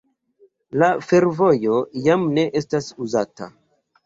La fervojo jam ne estas uzata.